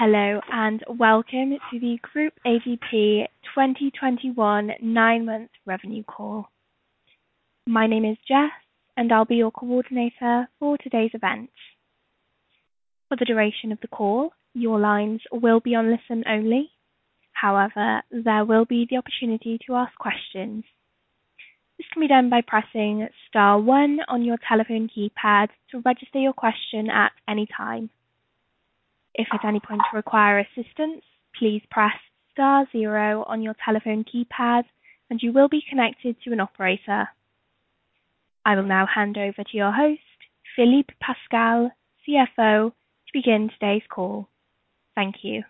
Hello, and welcome to the Groupe ADP 2021 nine-month revenue call. My name is Jess, and I'll be your coordinator for today's event. For the duration of the call, your lines will be on listen only. However, there will be the opportunity to ask questions. This can be done by pressing star one on your telephone keypad to register your question at any time. If at any point you require assistance, please press star zero on your telephone keypad, and you will be connected to an operator. I will now hand over to your host, Philippe Pascal, CFO, to begin today's call. Thank you.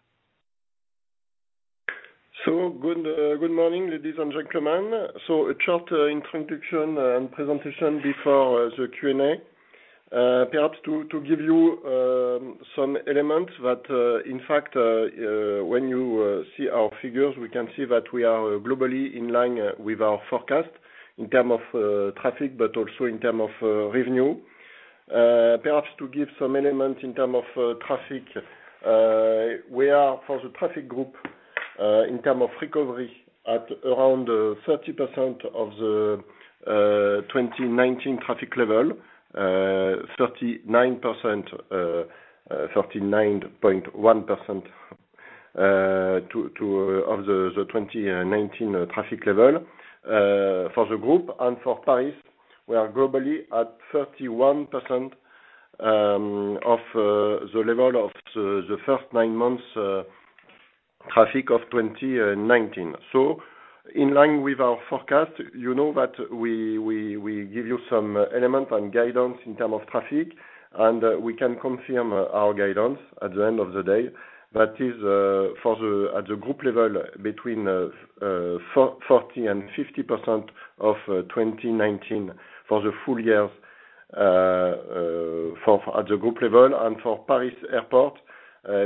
Good morning, ladies and gentlemen. A short introduction and presentation before the Q&A. Perhaps to give you some elements that, in fact, when you see our figures, we can see that we are globally in line with our forecast in terms of traffic, but also in terms of revenue. Perhaps to give some elements in terms of traffic. We are, for the traffic group, in terms of recovery, at around 30% of the 2019 traffic level, 39.1% of the 2019 traffic level for the group and for Paris, we are globally at 31% of the level of the first 9 months traffic of 2019. In line with our forecast, you know that we give you some element and guidance in terms of traffic, and we can confirm our guidance at the end of the day. That is, at the group level, between 40% and 50% of 2019 for the full year at the group level and for Paris Airport,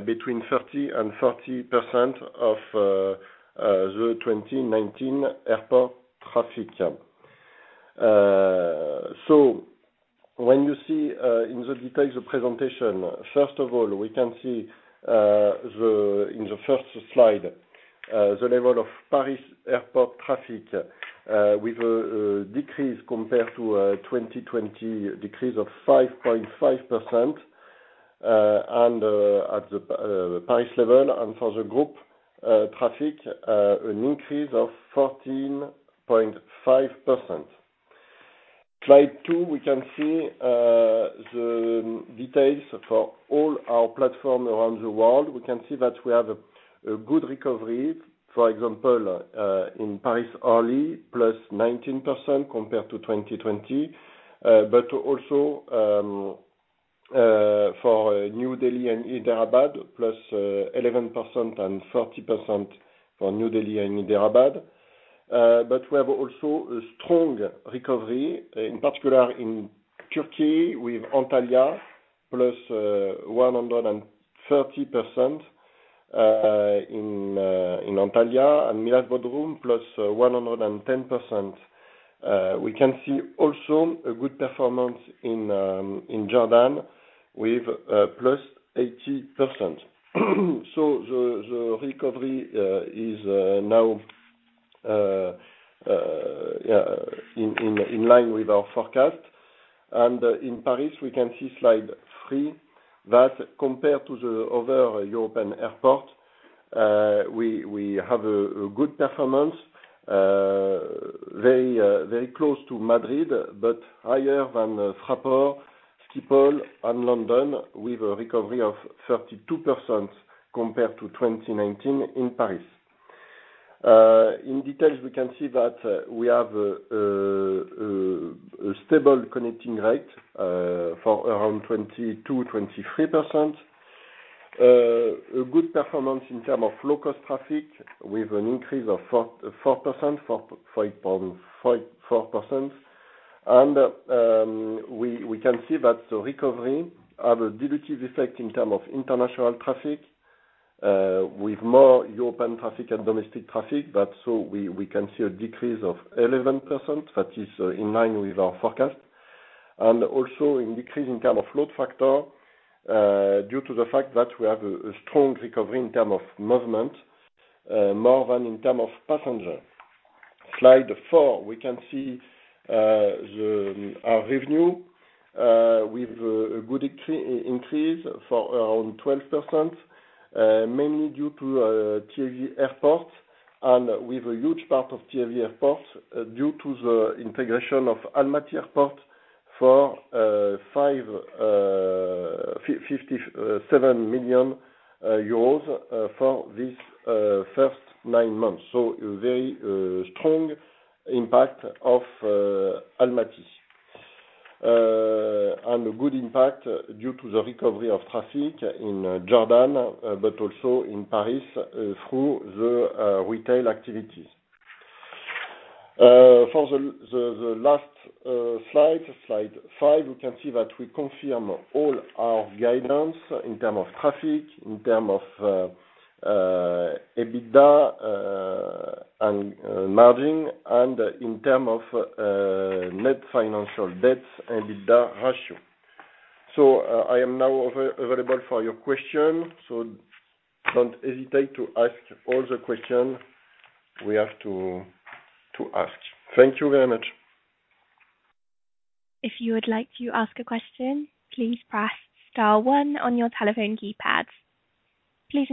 between 30% and 40% of the 2019 airport traffic. When you see in the details of presentation, first of all, we can see in the 1st slide, the level of Paris airport traffic with a decrease compared to 2020, decrease of 5.5% and at the Paris level and for the group traffic, an increase of 14.5%. Slide two, we can see the details for all our platform around the world. We can see that we have a good recovery, for example, in Paris Orly, +19% compared to 2020. Also, for New Delhi and Hyderabad, +11% and 40% for New Delhi and Hyderabad. We have also a strong recovery, in particular in Turkey with Antalya, +130% in Antalya and Milas Bodrum, +110%. We can see also a good performance in Jordan with +80%. The recovery is now in line with our forecast. In Paris, we can see slide three, that compared to the other European airport, we have a good performance, very close to Madrid, but higher than Fraport, Schiphol and London, with a recovery of 32% compared to 2019 in Paris. In details, we can see that we have a stable connecting rate for around 22% - 23%. A good performance in term of low-cost traffic with an increase of 4.4%. We can see that the recovery have a dilutive effect in term of international traffic, with more European traffic and domestic traffic. We can see a decrease of 11%, that is in line with our forecast. Also a decrease in terms of load factor, due to the fact that we have a strong recovery in terms of movement, more than in terms of passenger. Slide four, we can see our revenue, with a good increase for around 12%, mainly due to TAV Airports and with a huge part of TAV Airports due to the integration of Almaty International Airport for EUR 57 million for this first nine months. A very strong impact of Almaty. A good impact due to the recovery of traffic in Jordan, but also in Paris through the retail activities. For the last slide five, we can see that we confirm all our guidance in terms of traffic, in terms of EBITDA and margin and in terms of net financial debt and EBITDA ratio. I am now available for your question, so don't hesitate to ask all the question you have to ask. Thank you very much. The first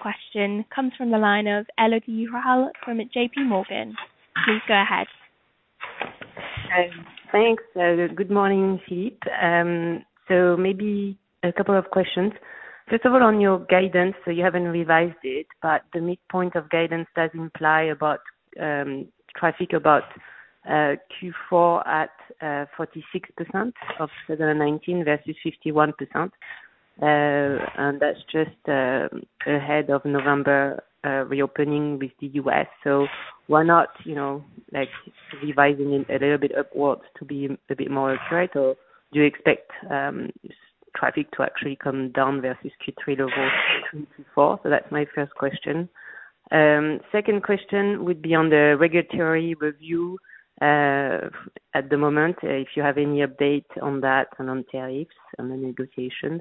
question comes from the line of Elodie Rall from JP Morgan. Please go ahead. Thanks. Good morning, Yves. Maybe a couple of questions. First of all, on your guidance, you haven't revised it, but the midpoint of guidance does imply about traffic about Q4 at 46% of 2019 versus 51%. That's just ahead of November reopening with the U.S. Why not revising it a little bit upwards to be a bit more accurate? Do you expect traffic to actually come down versus Q3 over Q4? That's my first question. Second question would be on the regulatory review. At the moment, if you have any update on that and on tariffs and the negotiation.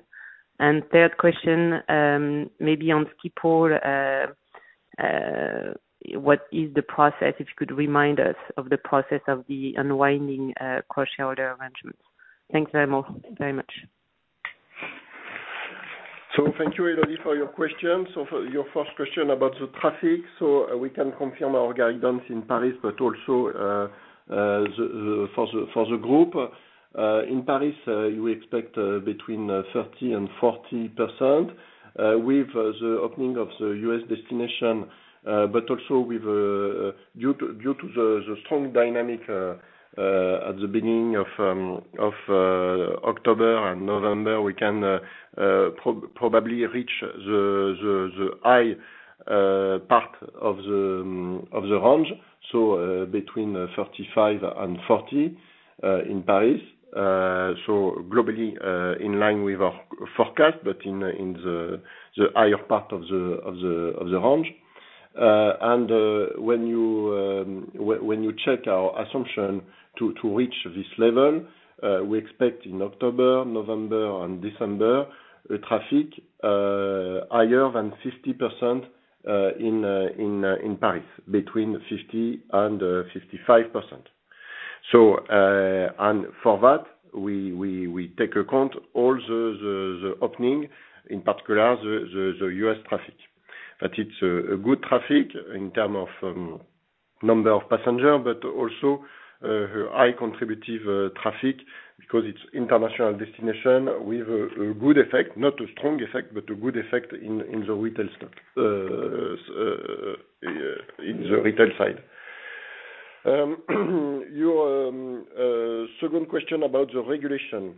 Third question, maybe on Schiphol. What is the process, if you could remind us of the process of the unwinding cross shareholder arrangements. Thank you very much. Thank you, Elodie, for your question. For your first question about the traffic, we can confirm our guidance in Paris, but also for the group. In Paris, we expect between 30% and 40% with the opening of the U.S. destination, but also due to the strong dynamic at the beginning of October and November, we can probably reach the high part of the range. Between 35 and 40 in Paris. Globally, in line with our forecast, but in the higher part of the range. When you check our assumption to reach this level, we expect in October, November, and December, the traffic higher than 50% in Paris, between 50% and 55%. For that, we take account all the opening, in particular the U.S. traffic. That it's a good traffic in terms of number of passengers, also high contributive traffic because it's international destinations with a good effect, not a strong effect, but a good effect in the retail side. Your second question about the regulation.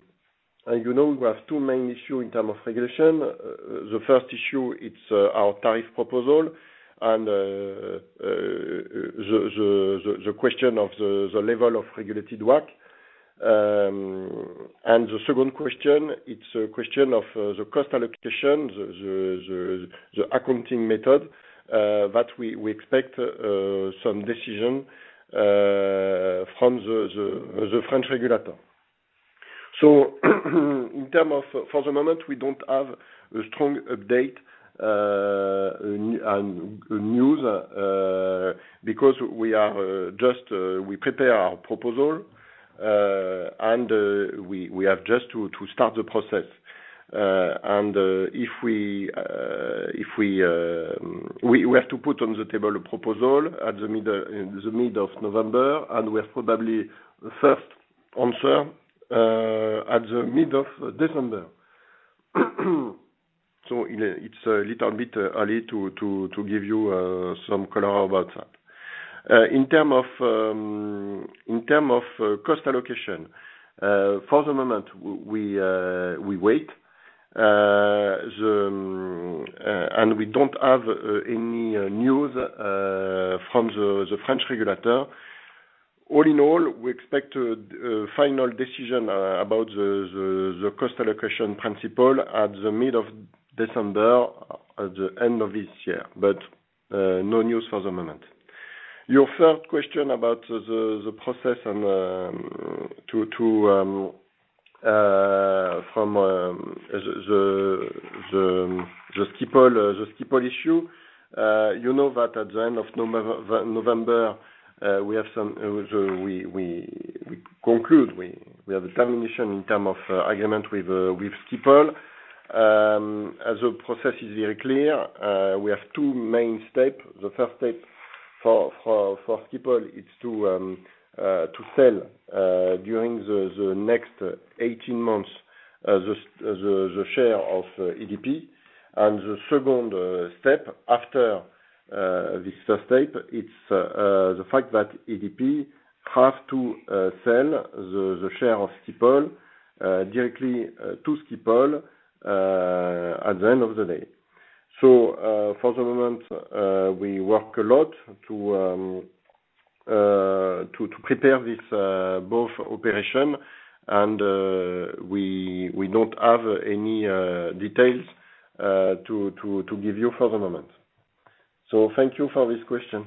You know we have two main issues in terms of regulation. The first issue, it's our tariff proposal and the question of the level of regulated WACC. The second question, it's a question of the cost allocation, the accounting method, that we expect some decision from the French regulator. For the moment, we don't have a strong update and news, because we prepare our proposal and we have just to start the process. We have to put on the table a proposal in mid-November, we have probably the 1st answer in mid-December. It's a little bit early to give you some color about that. In term of cost allocation, for the moment, we wait. We don't have any news from the French regulator. All in all, we expect a final decision about the cost allocation principle at the mid of December, at the end of this year, but no news for the moment. Your third question about the process and the Schiphol issue. You know that at the end of November, we conclude, we have a termination in term of agreement with Schiphol. The process is very clear. We have two main step. The first step for Schiphol, it's to sell during the next 18 months, the share of ADP. The second step after this first step, it's the fact that ADP have to sell the share of Schiphol directly to Schiphol at the end of the day. For the moment, we work a lot to prepare both operations, and we don't have any details to give you for the moment. Thank you for this question.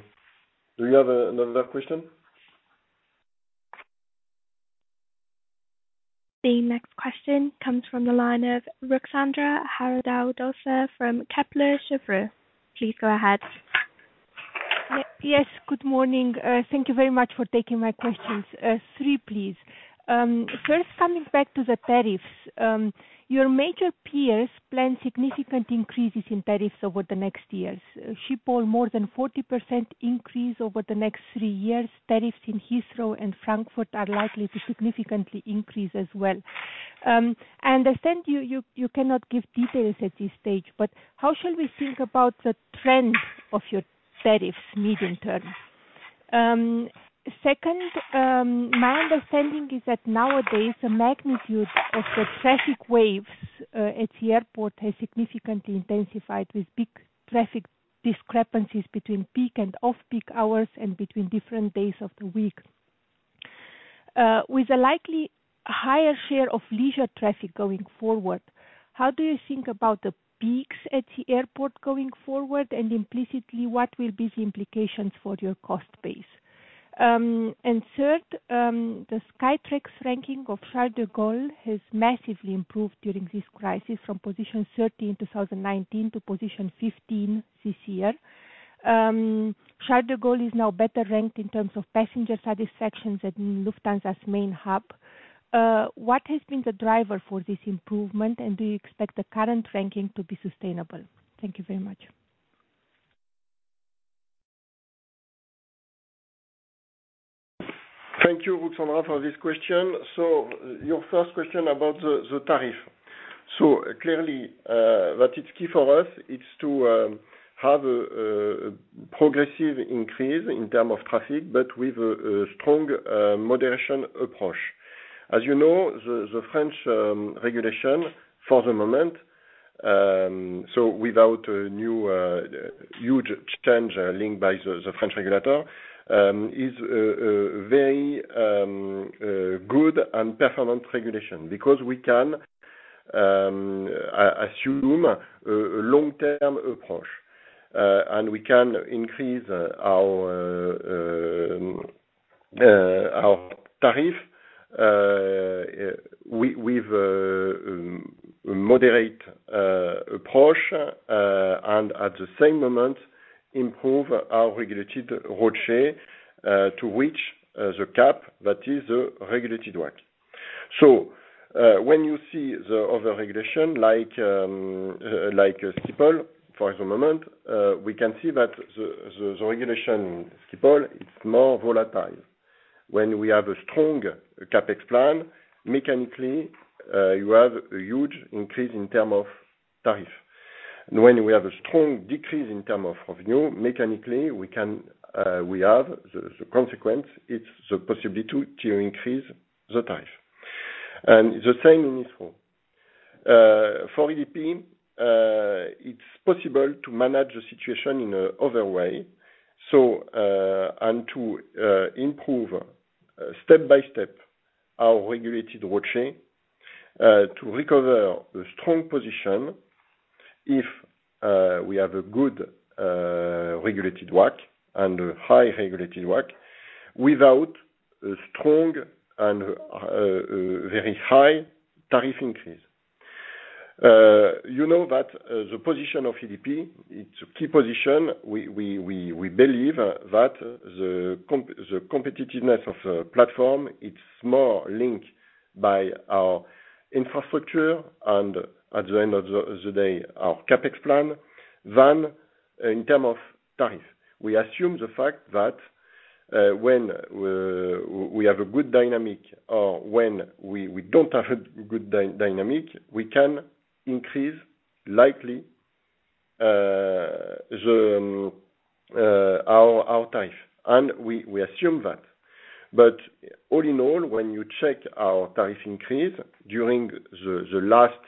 Do you have another question? The next question comes from the line of Ruxandra Haradau-Doser from Kepler Cheuvreux. Please go ahead. Yes. Good morning. Thank you very much for taking my questions. Three, please. First, coming back to the tariffs. Your major peers plan significant increases in tariffs over the next years. Schiphol, more than 40% increase over the next three years. Tariffs in Heathrow and Frankfurt are likely to significantly increase as well. I understand you cannot give details at this stage, but how shall we think about the trend of your tariffs medium-term? Second, my understanding is that nowadays, the magnitude of the traffic waves at the airport has significantly intensified, with big traffic discrepancies between peak and off-peak hours and between different days of the week. With a likely higher share of leisure traffic going forward, how do you think about the peaks at the airport going forward? Implicitly, what will be the implications for your cost base? Third, the Skytrax ranking of Charles de Gaulle has massively improved during this crisis from position 13 in 2019 to position 15 this year. Charles de Gaulle is now better ranked in terms of passenger satisfaction than Lufthansa's main hub. What has been the driver for this improvement, and do you expect the current ranking to be sustainable? Thank you very much. Thank you, Ruxandra, for this question. Your first question about the tariff. Clearly, what is key for us it's to have a progressive increase in term of traffic, but with a strong moderation approach. As you know, the French regulation for the moment, so without a huge change linked by the French regulator, is a very good and performant regulation because we can assume a long-term approach, and we can increase our tariff with a moderate approach and at the same moment, improve our regulated ROCE to reach the cap that is the regulated WACC. When you see the other regulation, like Schiphol for the moment, we can see that the regulation in Schiphol, it's more volatile. When we have a strong CapEx plan, mechanically, you have a huge increase in term of tariff. When we have a strong decrease in term of revenue, mechanically, we have the consequence, it's the possibility to increase the tariff. The same in Heathrow. For ADP, it's possible to manage the situation in other way, and to improve step-by-step our regulated ROCE to recover a strong position if we have a good regulated WACC and a high regulated WACC without a strong and very high tariff increase. You know that the position of ADP, it's a key position. We believe that the competitiveness of a platform, it's more linked by our infrastructure and at the end of the day, our CapEx plan than in term of tariff. We assume the fact that when we don't have a good dynamic, we can increase lightly our tariff, and we assume that. All in all, when you check our tariff increase during the last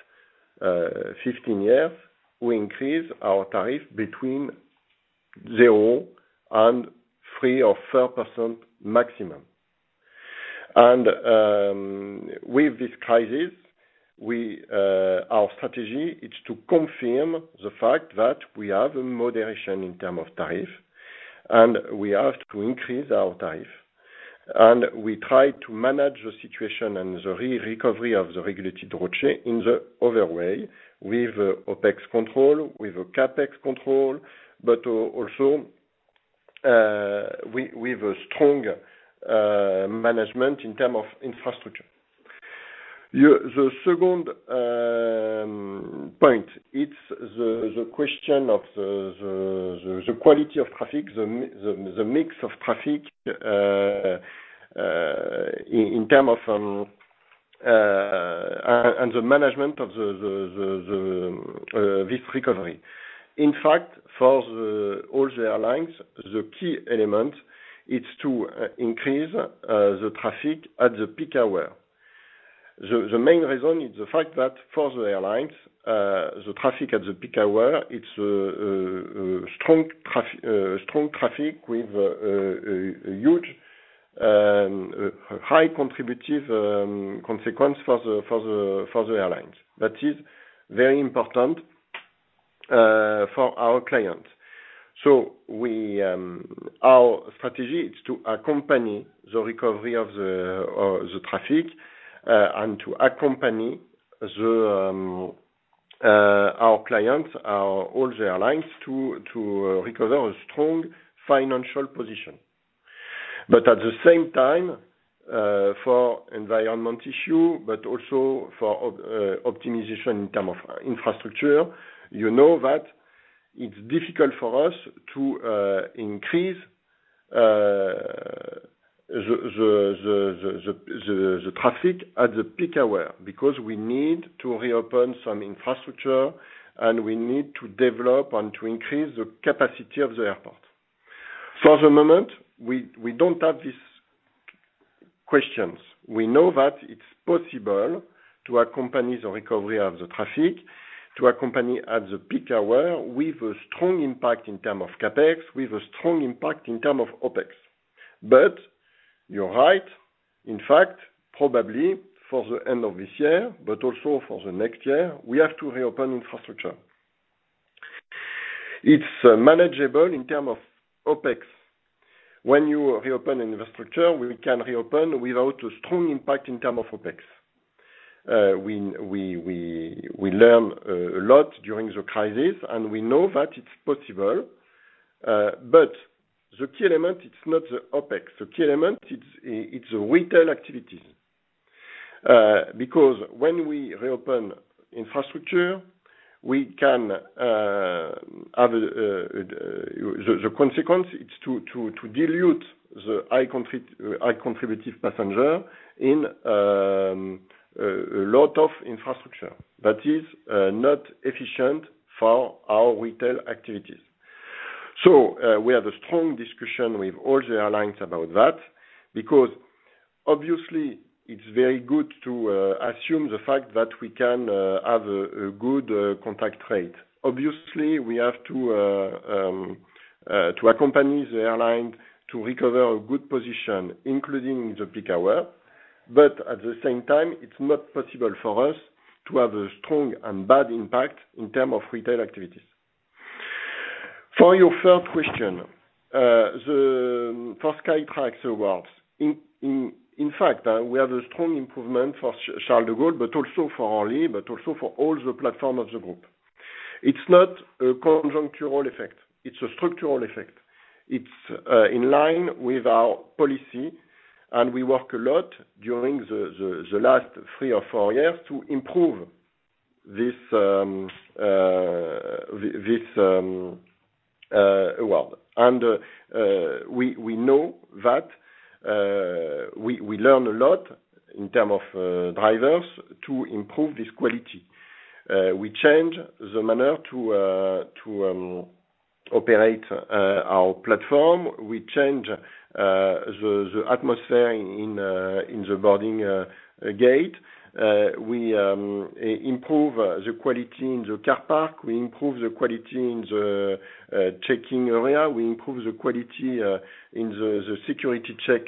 15 years, we increase our tariff between zero and 3% or 4% maximum. With this crisis, our strategy is to confirm the fact that we have a moderation in term of tariff, and we have to increase our tariff. We try to manage the situation and the recovery of the regulated ROCE in the other way, with OpEx control, with a CapEx control, but also with a strong management in term of infrastructure. The second point, it's the question of the quality of traffic, the mix of traffic and the management of this recovery. In fact, for all the airlines, the key element it's to increase the traffic at the peak hour. The main reason is the fact that for the airlines, the traffic at the peak hour, it's strong traffic with huge, high contributive consequence for the airlines. That is very important for our clients. Our strategy is to accompany the recovery of the traffic, and to accompany our clients, all the airlines, to recover a strong financial position. At the same time, for environmental issue, but also for optimization in terms of infrastructure, you know that it's difficult for us to increase the traffic at the peak hour because we need to reopen some infrastructure and we need to develop and to increase the capacity of the airport. For the moment, we don't have these questions. We know that it's possible to accompany the recovery of the traffic, to accompany at the peak hour with a strong impact in term of CapEx, with a strong impact in term of OpEx. You're right, in fact, probably for the end of this year, but also for the next year, we have to reopen infrastructure. It's manageable in term of OpEx. When you reopen infrastructure, we can reopen without a strong impact in term of OpEx. We learn a lot during the crisis, and we know that it's possible. The key element, it's not the OpEx. The key element, it's retail activities. When we reopen infrastructure, the consequence, it's to dilute the high contributive passenger in a lot of infrastructure. That is not efficient for our retail activities. We have a strong discussion with all the airlines about that, because obviously it's very good to assume the fact that we can have a good contact rate. Obviously, we have to accompany the airline to recover a good position, including the peak hour. At the same time, it's not possible for us to have a strong and bad impact in terms of retail activities. For your third question, for Skytrax Awards, in fact, we have a strong improvement for Charles de Gaulle, also for Orly, also for all the platform of the group. It's not a conjuncture effect, it's a structural effect. It's in line with our policy, we work a lot during the last three or four years to improve this award. We know that we learn a lot in terms of drivers to improve this quality. We change the manner to operate our platform. We change the atmosphere in the boarding gate. We improve the quality in the car park. We improve the quality in the checking area. We improve the quality in the security check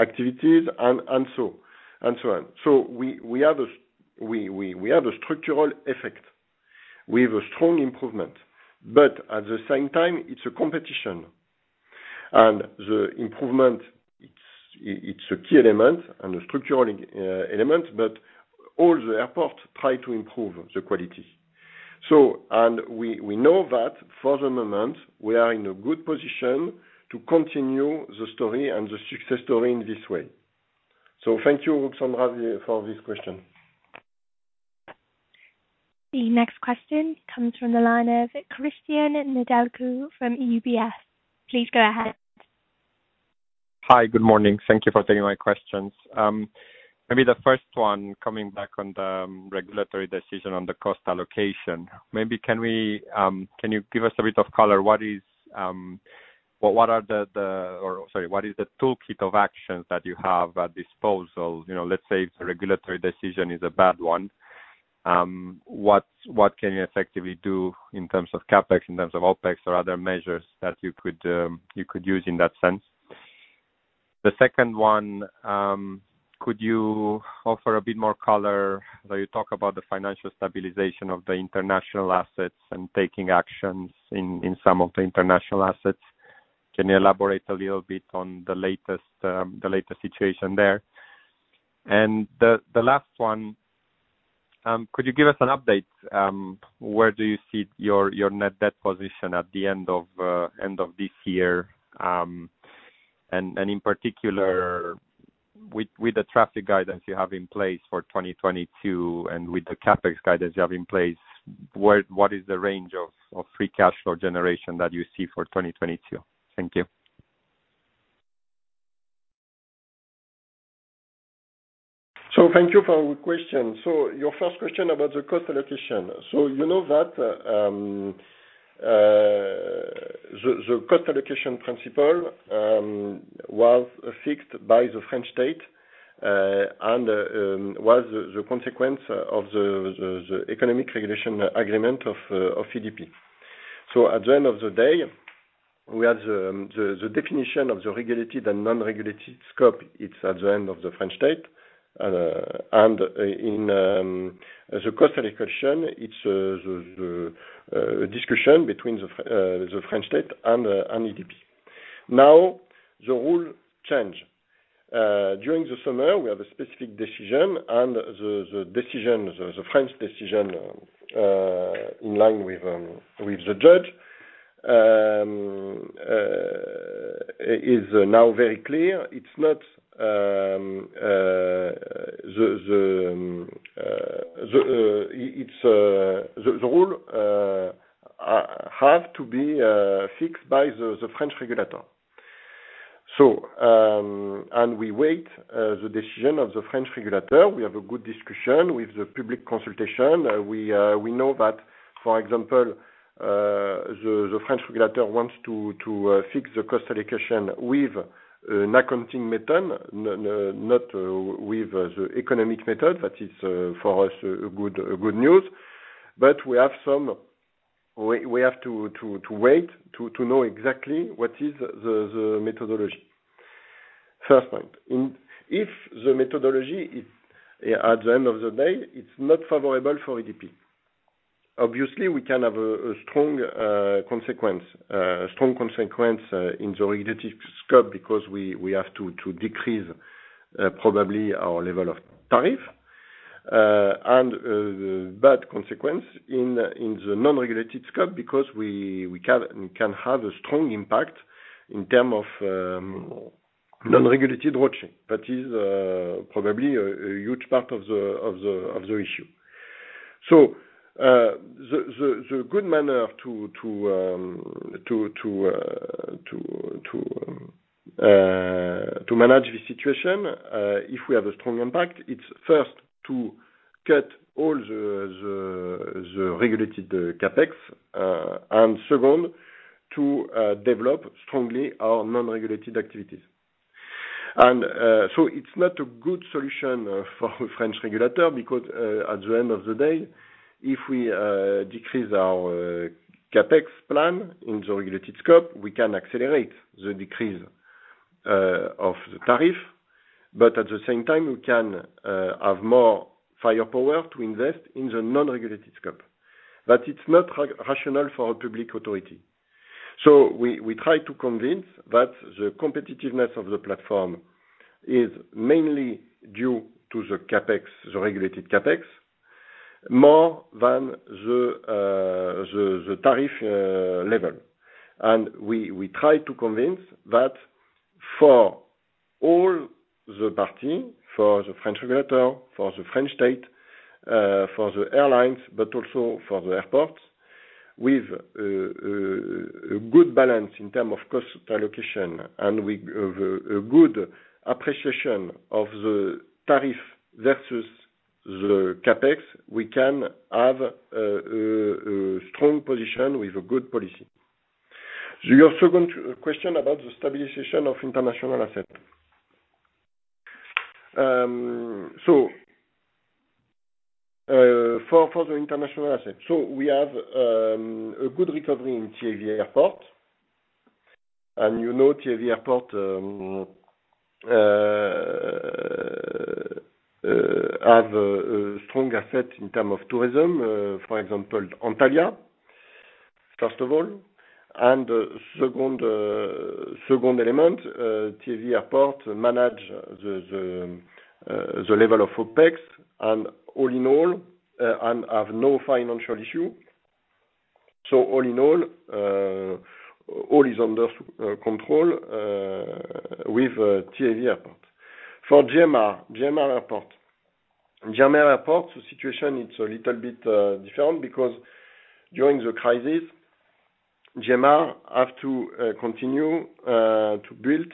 activities and so on. We have a structural effect. We have a strong improvement. At the same time, it's a competition, and the improvement, it's a key element and a structural element, but all the airports try to improve the quality. We know that for the moment, we are in a good position to continue the story and the success story in this way. Thank you, Ruxandra Haradau-Doser, for this question. The next question comes from the line of Cristian Nedelcu from UBS. Please go ahead. Hi. Good morning. Thank you for taking my questions. Maybe the first one, coming back on the regulatory decision on the cost allocation. Maybe can you give us a bit of color? Sorry. What is the toolkit of actions that you have at disposal? Let's say the regulatory decision is a bad one, what can you effectively do in terms of CapEx, in terms of OpEx or other measures that you could use in that sense? The second one, could you offer a bit more color, you talk about the financial stabilization of the international assets and taking actions in some of the international assets. Can you elaborate a little bit on the latest situation there? The last one, could you give us an update? Where do you see your net debt position at the end of this year? In particular, with the traffic guidance you have in place for 2022 and with the CapEx guidance you have in place, what is the range of free cash flow generation that you see for 2022? Thank you. Thank you for your question. Your first question about the cost allocation. The cost allocation principle was fixed by the French state and was the consequence of the economic regulation agreement of ADP. At the end of the day, we have the definition of the regulated and non-regulated scope, it's at the end of the French state. In the cost allocation, it's the discussion between the French state and ADP. Now, the rule change. During the summer, we have a specific decision, and the French decision, in line with the judge, is now very clear. The rule have to be fixed by the French regulator. We wait the decision of the French regulator. We have a good discussion with the public consultation. We know that, for example, the French regulator wants to fix the cost allocation with an accounting method, not with the economic method. That is, for us, a good news. We have to wait to know exactly what is the methodology. First point. If the methodology is, at the end of the day, it's not favorable for ADP, obviously, we can have a strong consequence in the regulated scope because we have to decrease, probably, our level of tariff. Bad consequence in the non-regulated scope because we can have a strong impact in term of non-regulated watching. That is probably a huge part of the issue. The good manner to manage this situation, if we have a strong impact, it's first to cut all the regulated CapEx, and second, to develop strongly our non-regulated activities. It's not a good solution for French regulator because at the end of the day, if we decrease our CapEx plan in the regulated scope, we can accelerate the decrease of the tariff. At the same time, we can have more firepower to invest in the non-regulated scope. It's not rational for a public authority. We try to convince that the competitiveness of the platform is mainly due to the regulated CapEx, more than the tariff level. We try to convince that for all the party, for the French regulator, for the French state, for the airlines, but also for the airports, with a good balance in term of cost allocation and with a good appreciation of the tariff versus the CapEx, we can have a strong position with a good policy. Your second question about the stabilization of international asset. For the international asset. We have a good recovery in TAV Airports. You know TAV Airports have a strong asset in term of tourism, for example, Antalya, first of all. Second element, TAV Airports manage the level of OpEx and have no financial issue. All in all is under control with TAV Airports. For GMR Airports. GMR Airports, the situation it's a little bit different because during the crisis, GMR have to continue to build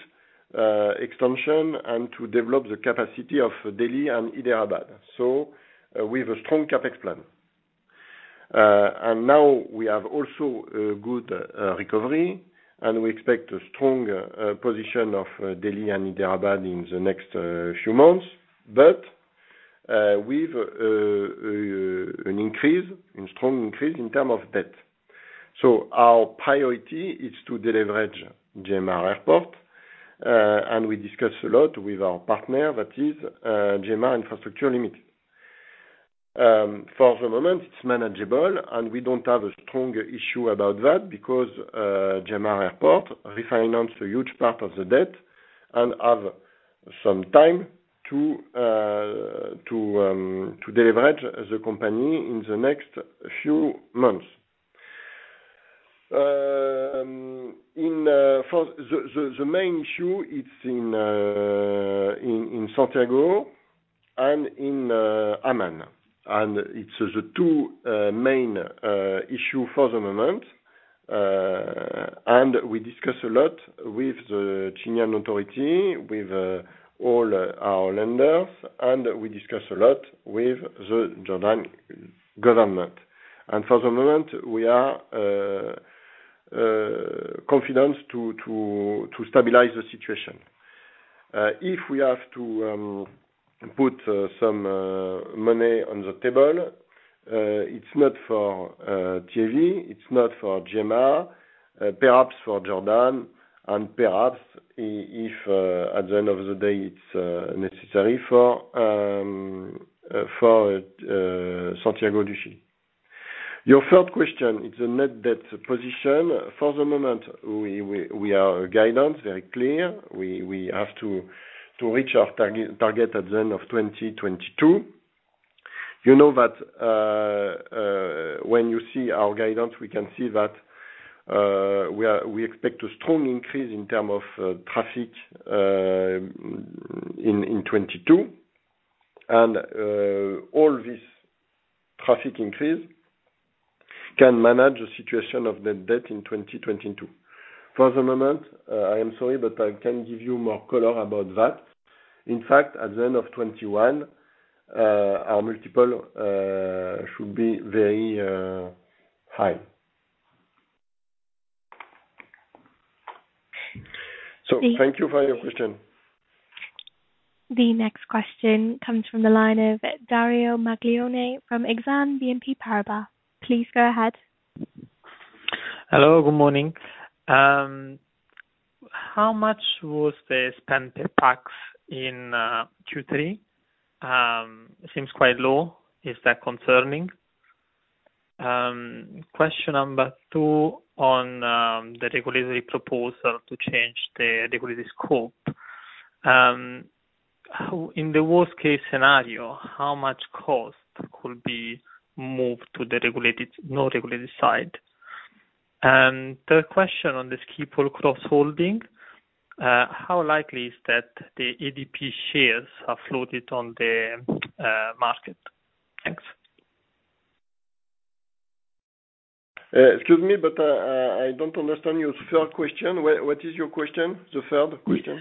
extension and to develop the capacity of Delhi and Hyderabad. We have a strong CapEx plan. Now we have also a good recovery, and we expect a strong position of Delhi and Hyderabad in the next few months, but with an increase, a strong increase in term of debt. Our priority is to deleverage GMR Airports, and we discuss a lot with our partner, that is GMR Infrastructure Limited. For the moment, it's manageable, and we don't have a strong issue about that because GMR Airports refinance a huge part of the debt and have some time to deleverage the company in the next few months. The main issue it's in Santiago and in Amman, it's the two main issue for the moment. We discuss a lot with the Chilean authority, with all our lenders, and we discuss a lot with the Jordanian Government. For the moment, we are confident to stabilize the situation. If we have to put some money on the table, it's not for JV, it's not for GMR, perhaps for Jordan, and perhaps, if at the end of the day it's necessary, for Santiago du Chili. Your third question, it's a net debt position. For the moment, our guidance, very clear. We have to reach our target at the end of 2022. You know that when you see our guidance, we can see that we expect a strong increase in term of traffic in 2022. All this traffic increase can manage the situation of net debt in 2022. For the moment, I am sorry, but I can't give you more color about that. In fact, at the end of 2021, our multiple should be very high. Thank you for your question. The next question comes from the line of Dario Maglione from Exane BNP Paribas. Please go ahead. Hello, good morning. How much was the spend per pax in Q3? Seems quite low. Is that concerning? Question number two on the regulatory proposal to change the regulatory scope. In the worst case scenario, how much cost could be moved to the non-regulated side? Third question on the Schiphol cross-holding. How likely is that the ADP shares are floated on the market? Thanks. Excuse me, I don't understand your third question. What is your question, the third question?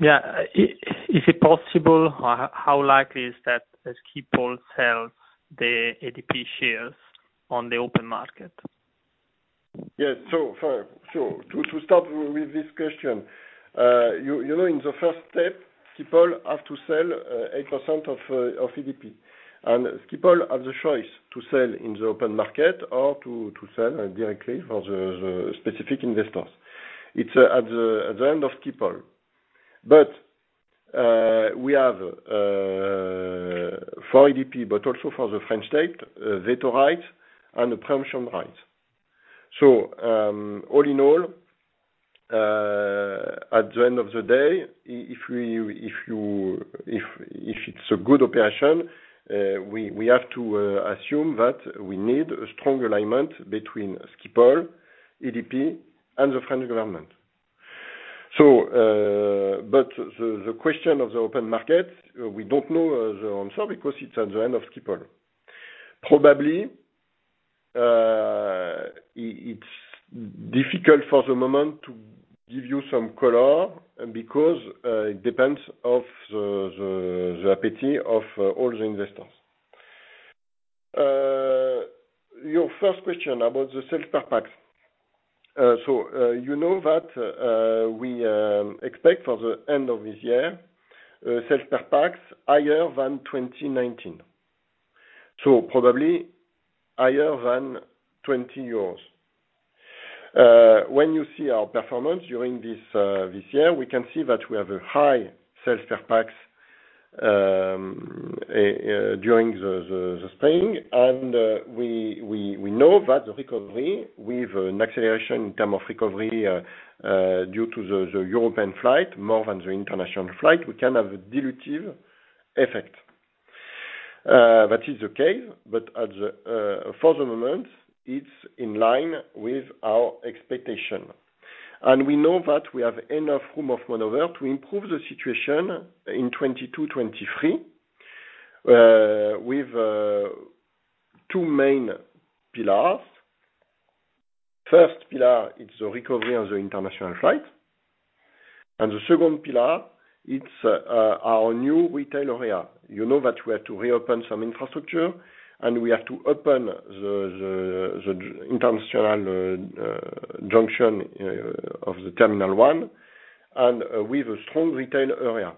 Yeah. Is it possible, or how likely is that Schiphol sell the ADP shares on the open market? Yeah. To start with this question. You know, in the first step, Schiphol have to sell 8% of ADP. Schiphol have the choice to sell in the open market or to sell directly for the specific investors. It's at the end of Schiphol. We have for ADP, but also for the French state, veto rights and the permission rights. All in all, at the end of the day, if it's a good operation, we have to assume that we need a strong alignment between Schiphol, ADP, and the French government. The question of the open market, we don't know the answer because it's at the end of Schiphol. Probably, it's difficult for the moment to give you some color because it depends of the appetite of all the investors. Your first question about the sales per pax. You know that we expect for the end of this year, sales per pax higher than 2019. Probably higher than 20 euros. When you see our performance during this year, we can see that we have a high sales per pax during the spring, we know that the recovery, with an acceleration in term of recovery due to the European flight more than the international flight, we can have a dilutive effect. That is okay, but for the moment, it's in line with our expectation. We know that we have enough room of maneuver to improve the situation in 2022, 2023, with two main pillars. First pillar is the recovery of the international flight. The second pillar, it's our new retail area. You know that we are to reopen some infrastructure. We have to open the international junction of the terminal one with a strong retail area.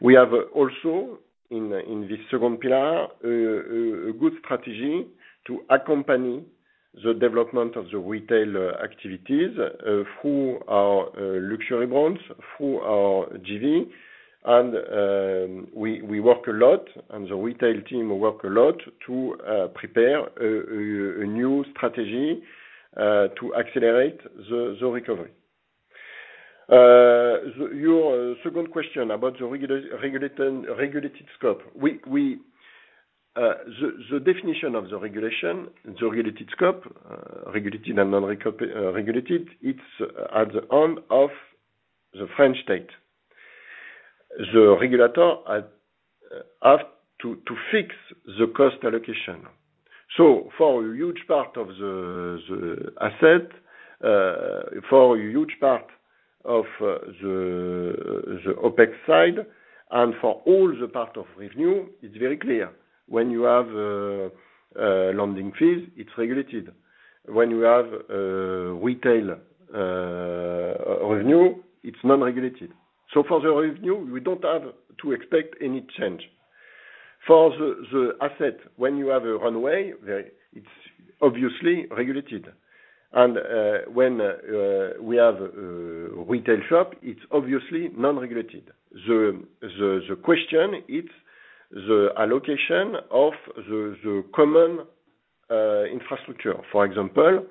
We have also, in this second pillar, a good strategy to accompany the development of the retail activities through our luxury brands, through our JV. The retail team work a lot to prepare a new strategy to accelerate the recovery. Your second question about the regulated scope. The definition of the regulation, the regulated scope, regulated and non-regulated, it's at the hand of the French state. The regulator have to fix the cost allocation. For a huge part of the asset, for a huge part of the OpEx side, for all the part of revenue, it's very clear. When you have landing fees, it's regulated. When you have retail revenue, it's non-regulated. For the revenue, we don't have to expect any change. For the asset, when you have a runway, it's obviously regulated. When we have retail shop, it's obviously non-regulated. The question is the allocation of the common infrastructure. For example,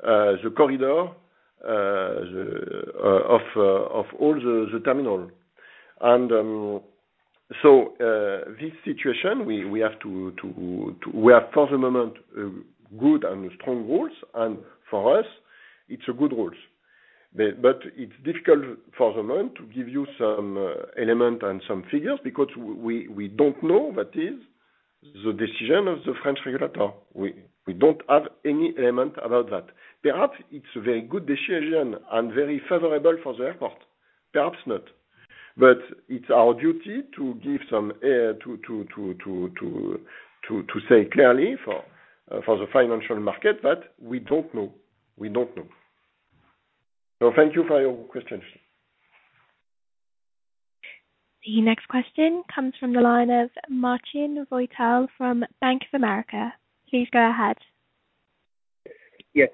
the corridor of all the terminal. This situation, we have, for the moment, good and strong rules, and for us, it's good rules. It's difficult for the moment to give you some element and some figures because we don't know that is the decision of the French regulator. We don't have any element about that. Perhaps it's a very good decision and very favorable for the airport. Perhaps not. It's our duty to give some air, to say clearly for the financial market that we don't know. Thank you for your questions. The next question comes from the line of Marcin Wojtal from Bank of America. Please go ahead. Yes.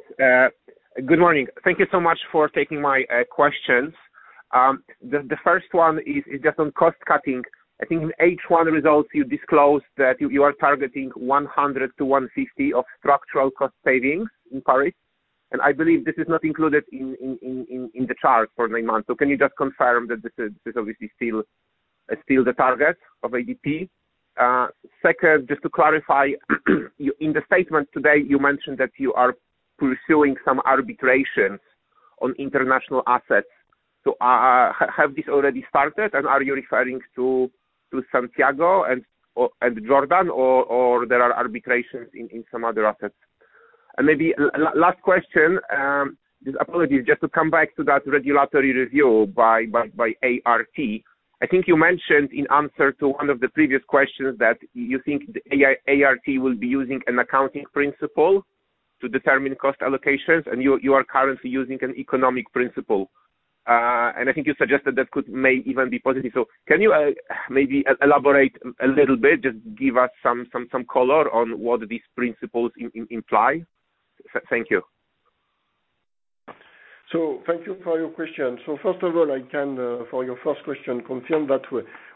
Good morning. Thank you so much for taking my questions. The first one is just on cost-cutting. I think in H1 results, you disclosed that you are targeting 100 - 150 of structural cost savings in Paris, and I believe this is not included in the chart for 9 months. Can you just confirm that this is obviously still the target of ADP? Second, just to clarify, in the statement today, you mentioned that you are pursuing some arbitrations on international assets. Have this already started, and are you referring to Santiago and Jordan, or there are arbitrations in some other assets? Maybe last question, just apologies, just to come back to that regulatory review by ART? I think you mentioned in answer to one of the previous questions that you think the ART will be using an accounting principle to determine cost allocations, and you are currently using an economic principle. I think you suggested that could may even be positive. Can you maybe elaborate a little bit, just give us some color on what these principles imply? Thank you. Thank you for your question. First of all, I can, for your first question, confirm that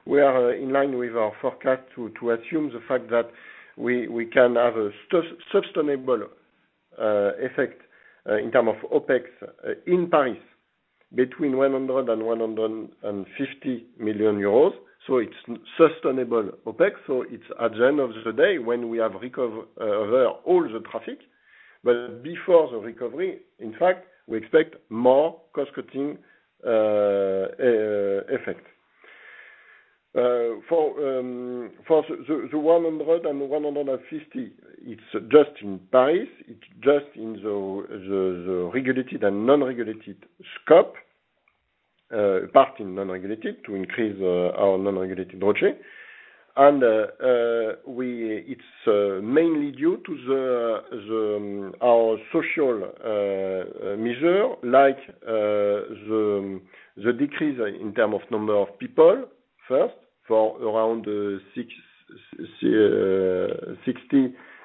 we are in line with our forecast to assume the fact that we can have a sustainable effect in term of OpEx in Paris between 100 million-150 million euros. It's sustainable OpEx. It's at the end of the day when we have recover all the traffic. Before the recovery, in fact, we expect more cost-cutting effect. For the 100 - 150, it's just in Paris. It's just in the regulated and non-regulated scope, part in non-regulated to increase our non-regulated budget. It's mainly due to our social measure, like the decrease in term of number of people, first, for around 60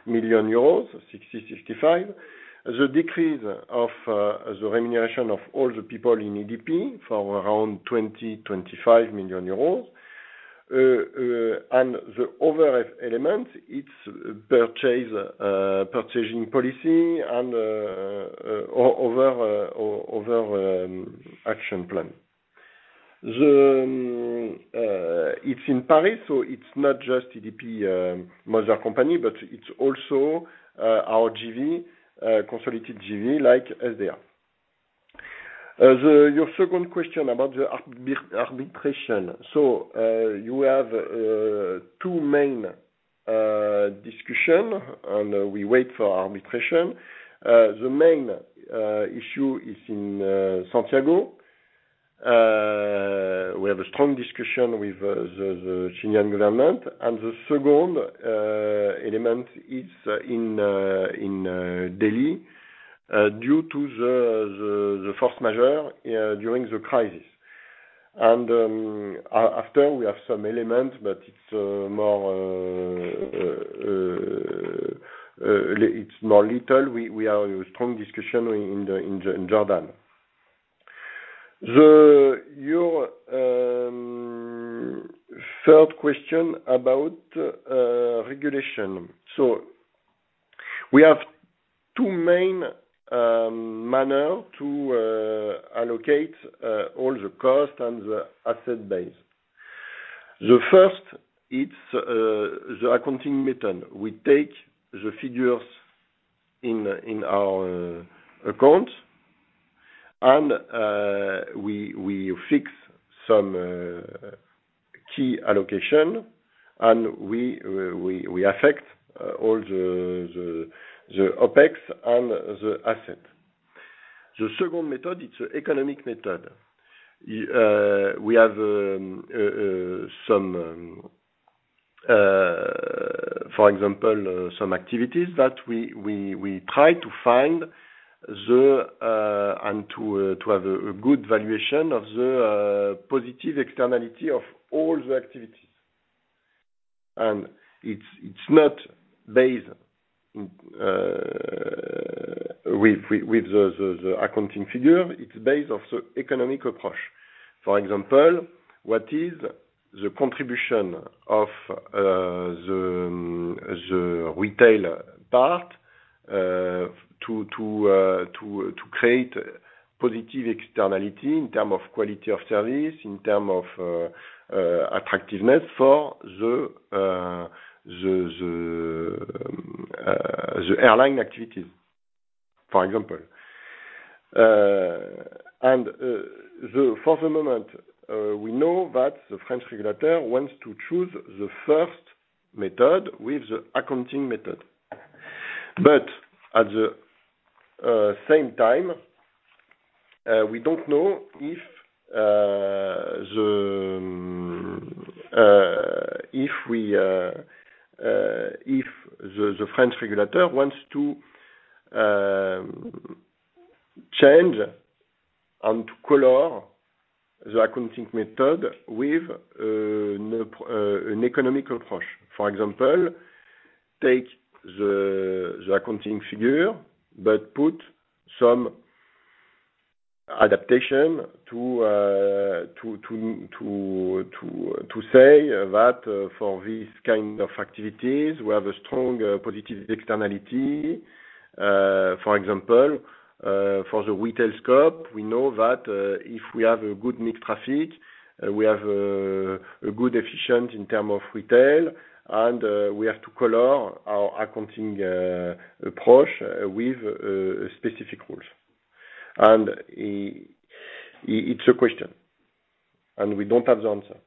million euros, 60, 65. The decrease of the remuneration of all the people in ADP for around 20 million euros, 25 million euros. The other element, it's purchasing policy and other action plan. It's in Paris, so it's not just ADP mother company, but it's also our consolidated JV, like SDA. Your second question about the arbitration. You have two main discussion, and we wait for arbitration. The main issue is in Santiago. We have a strong discussion with the Chilean government, and the second element is in Delhi due to the force majeure during the crisis. After, we have some elements, but it's more little. We have a strong discussion in Jordan. Your third question about regulation. We have two main manner to allocate all the cost and the asset base. The first, it's the accounting method. We take the figures in our accounts, and we fix some key allocation, and we affect all the OpEx and the asset. The second method, it's an economic method. We have, for example, some activities that we try to find and to have a good valuation of the positive externality of all the activities. It's not based with the accounting figure, it's based on the economic approach. For example, what is the contribution of the retail part to create positive externality in terms of quality of service, in terms of attractiveness for the airline activities, for example. For the moment, we know that the French regulator wants to choose the first method with the accounting method. At the same time, we don't know if the French regulator wants to change and color the accounting method with an economic approach. For example, take the accounting figure, but put some adaptation to say that for this kind of activities, we have a strong positive externality. For example, for the retail scope, we know that if we have a good mix traffic, we have good efficiency in terms of retail, and we have to color our accounting approach with specific rules. It's a question, and we don't have the answer.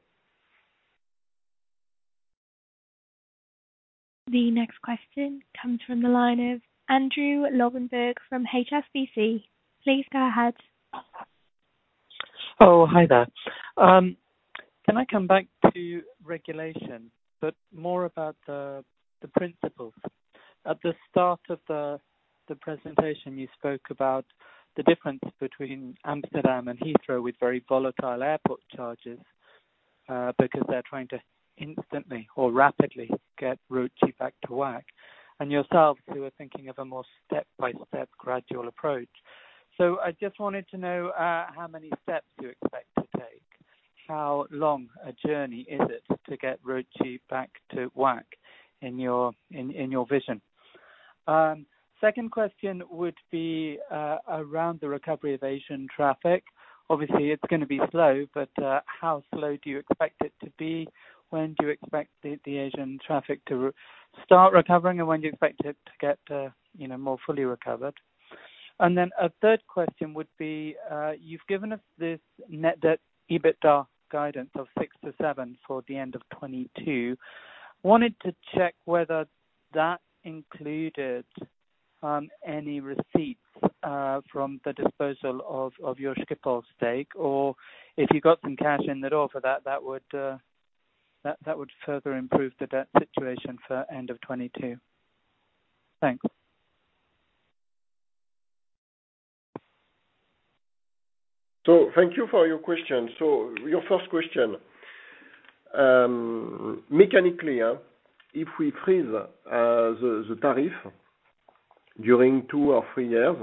The next question comes from the line of Andrew Lobbenberg from HSBC. Please go ahead. Hi there. Can I come back to regulation, but more about the principles? At the start of the presentation, you spoke about the difference between Amsterdam and Heathrow with very volatile airport charges, because they're trying to instantly or rapidly get ROCE back to WACC. Yourselves, you were thinking of a more step-by-step gradual approach. I just wanted to know how many steps you expect to take, how long a journey is it to get ROCE back to WACC in your vision? Second question would be around the recovery of Asian traffic. Obviously, it's going to be slow, but how slow do you expect it to be? When do you expect the Asian traffic to start recovering and when do you expect it to get more fully recovered? A third question would be, you've given us this net debt EBITDA guidance of six to seven for the end of 2022. Wanted to check whether that included any receipts from the disposal of your Schiphol stake, or if you got some cash in at all for that would further improve the debt situation for end of 2022. Thanks. Thank you for your question. Your first question. Mechanically, if we freeze the tariff during two or three years,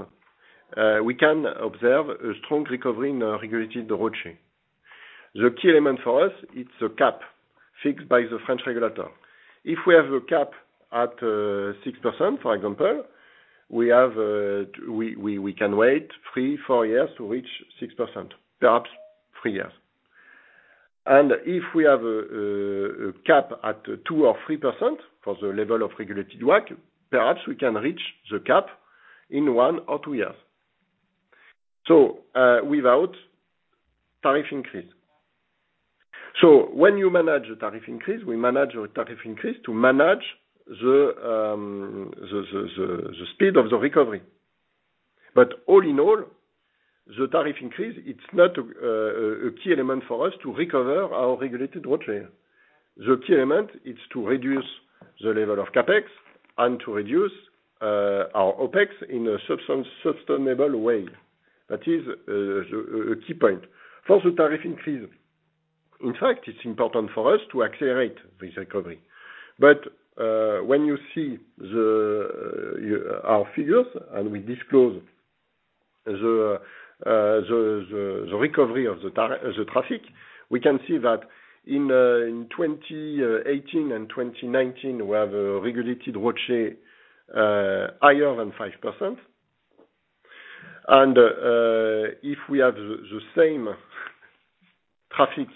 we can observe a strong recovery in regulated ROCE. The key element for us, it's a cap fixed by the French regulator. If we have a cap at 6%, for example, we can wait three, four years to reach 6%, perhaps three years. If we have a cap at 2% or 3% for the level of regulated WACC, perhaps we can reach the cap in one or two years. Without tariff increase. When you manage a tariff increase, we manage a tariff increase to manage the speed of the recovery. All in all, the tariff increase, it's not a key element for us to recover our regulated ROCE. The key element is to reduce the level of CapEx and to reduce our OpEx in a sustainable way. That is a key point. For the tariff increase, in fact, it's important for us to accelerate this recovery. When you see our figures, and we disclose the recovery of the traffic, we can see that in 2018 and 2019, we have a regulated ROCE higher than 5%. If we have the same traffic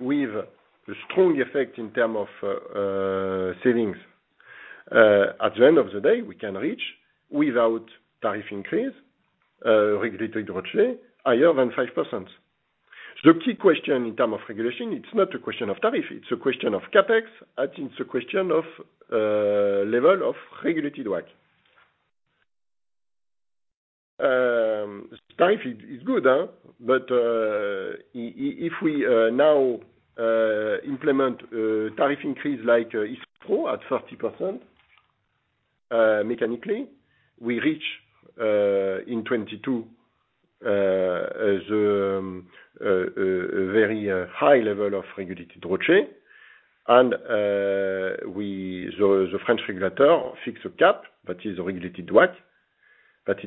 with a strong effect in terms of savings. At the end of the day, we can reach without tariff increase, regulated ROCE, higher than 5%. The key question in terms of regulation, it's not a question of tariff, it's a question of CapEx, and it's a question of level of regulated ROCE. Tariff is good. If we now implement a tariff increase like Heathrow at 30%, mechanically, we reach in 2022 a very high level of regulated ROCE, and the French regulator fix a cap that is regulated WACC. As a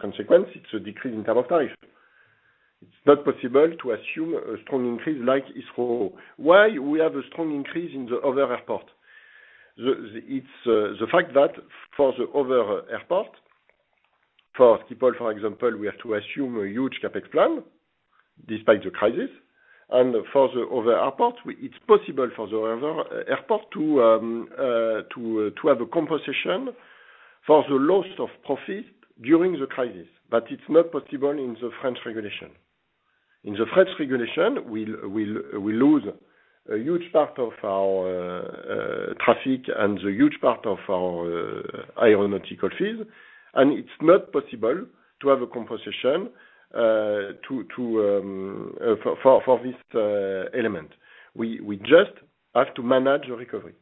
consequence, it's a decrease in term of tariff. It's not possible to assume a strong increase like Heathrow. Why we have a strong increase in the other airport? It's the fact that for the other airport, for Schiphol, for example, we have to assume a huge CapEx plan despite the crisis. For the other airports, it's possible for the other airport to have a compensation for the loss of profit during the crisis, but it's not possible in the French regulation. In the French regulation, we lose a huge part of our traffic and the huge part of our aeronautical fees, and it's not possible to have a compensation for this element. We just have to manage the recovery.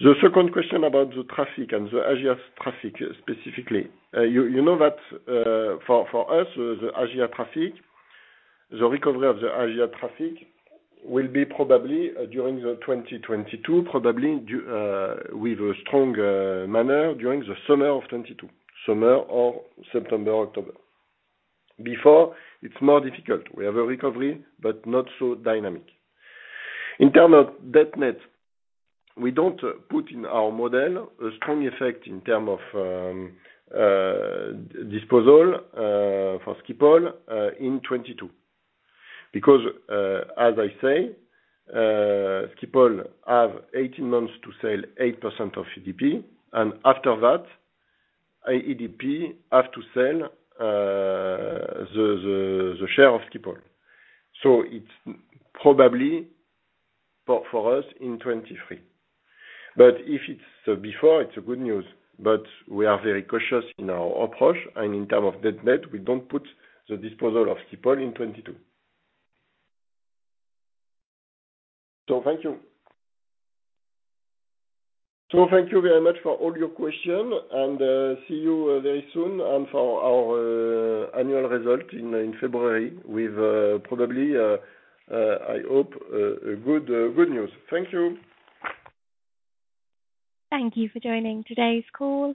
The second question about the traffic and the Asia traffic specifically. You know that, for us, the recovery of the Asia traffic will be probably during 2022, probably with a strong manner during the summer of 2022, summer or September, October. Before, it's more difficult. We have a recovery, but not so dynamic. In terms of net debt, we don't put in our model a strong effect in terms of disposal for Schiphol in 2022. As I say, Schiphol has 18 months to sell 8% of ADP, and after that, ADP has to sell the share of Schiphol. It's probably for us in 2023. If it's before, it's good news, but we are very cautious in our approach. In terms of net debt, we don't put the disposal of Schiphol in 2022. Thank you. Thank you very much for all your question, and see you very soon and for our annual result in February with probably, I hope, good news. Thank you. Thank you for joining today's call.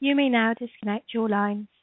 You may now disconnect your lines.